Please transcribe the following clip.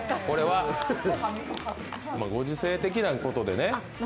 これは、ご時世的なことでね